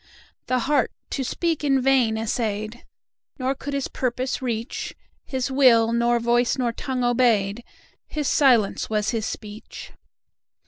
The Heart to speak in vain essayed, Nor could his purpose reach—His will nor voice nor tongue obeyed, His silence was his speech.